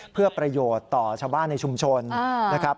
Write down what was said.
เพื่อประโยชน์ต่อชาวบ้านในชุมชนนะครับ